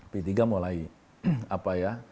p tiga mulai apa ya